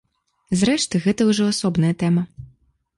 Зрэшты, гэта ўжо асобная тэма.